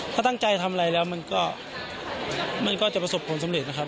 ถ้าตั้งใจทำอะไรแล้วมันก็จะประสบผลสำเร็จนะครับ